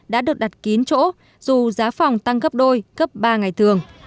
đã được đặt kín chỗ dù giá phòng tăng gấp đôi gấp ba ngày thường